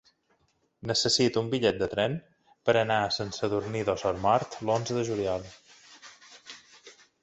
Necessito un bitllet de tren per anar a Sant Sadurní d'Osormort l'onze de juliol.